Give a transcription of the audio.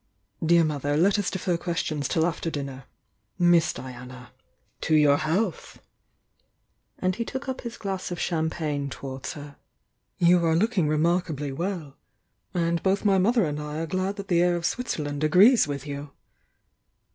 "Dear Mother, let us defer questions till after dinner! Miss Diana! To your health!" And he held up his glass of champagne towards her. "You are looking remarkably well! — and both my mother and I are glad that the air of Switzerland agrees with you!"